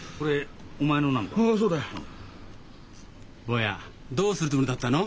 坊やどうするつもりだったの？